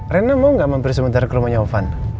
rena mau gak mampir sebentar ke rumahnya ovan